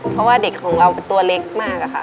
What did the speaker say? เพราะว่าเด็กของเราตัวเล็กมากอะค่ะ